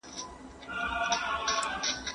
زده کوونکي باید د خپلو درسونو تر څنګ سپورت هم وکړي.